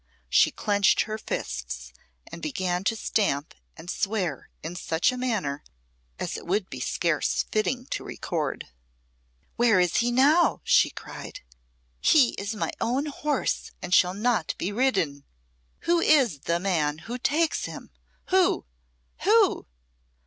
She clenched her fists, and began to stamp and swear in such a manner as it would be scarce fitting to record. "Where is he now?" she cried. "He is my own horse, and shall not be ridden. Who is the man who takes him? Who? Who?"